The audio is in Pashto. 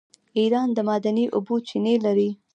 ایران د معدني اوبو چینې لري.